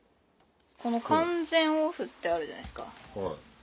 この「完全オフ」ってあるじゃないですか。